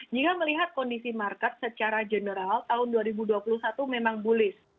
jika melihat kondisi market secara general tahun dua ribu dua puluh satu memang bully